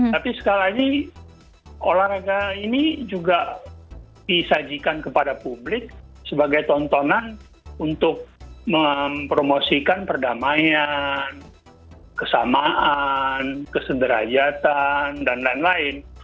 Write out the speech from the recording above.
tapi sekali lagi olahraga ini juga disajikan kepada publik sebagai tontonan untuk mempromosikan perdamaian kesamaan kesederajatan dan lain lain